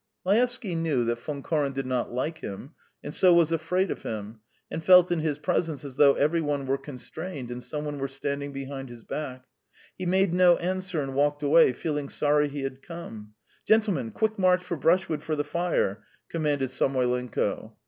Laevsky knew that Von Koren did not like him, and so was afraid of him, and felt in his presence as though every one were constrained and some one were standing behind his back. He made no answer and walked away, feeling sorry he had come. "Gentlemen, quick march for brushwood for the fire!" commanded Samoylenko.